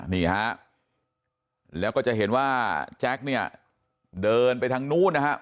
นี่ฮะแล้วก็จะเห็นว่าแจ็คเนี่ยเดินไปทางนู้นนะครับ